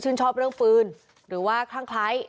พวกมันต้องกินกันพี่